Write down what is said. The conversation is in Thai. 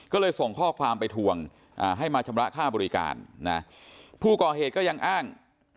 ก็เลยส่งข้อความไปทวงให้มาชำระค่าบริการนะผู้ก่อเหตุก็ยังอ้าง